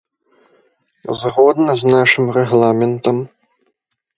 Згодна з нашым рэгламентам.